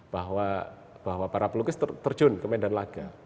bahwa para pelukis terjun ke medan laga